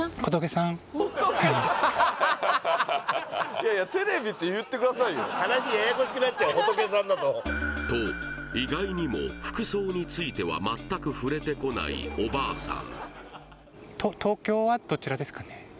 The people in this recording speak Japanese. いやいやテレビって言ってくださいよと意外にも服装については全く触れてこないおばあさん